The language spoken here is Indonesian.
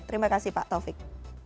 terima kasih pak taufik